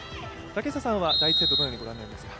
竹下さんは第１セット、どのようにご覧になりますか。